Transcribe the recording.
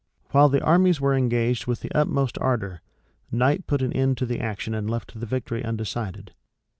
While the armies were engaged with the utmost ardor, night put an end to the action and left the victory undecided.